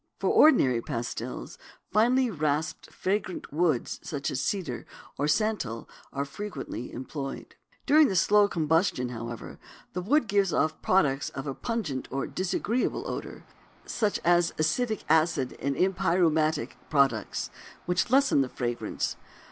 For ordinary pastils finely rasped fragrant woods such as cedar or santal are frequently employed. During the slow combustion, however, the wood gives off products of a pungent or disagreeable odor such as acetic acid and empyreumatic products, which lessen the fragrance.